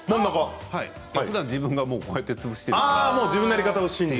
ふだん自分がこうやって潰しているから。